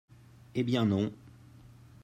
Eh bien non